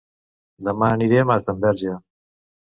Dema aniré a Masdenverge